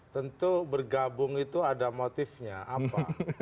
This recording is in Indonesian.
tentu bergabung itu ada motifnya apa